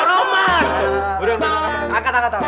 udah udah angkat angkat